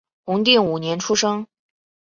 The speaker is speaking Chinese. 弘定五年出生。